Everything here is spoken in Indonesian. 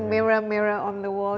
merah merah di dinding